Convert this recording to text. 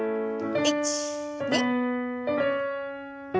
１２。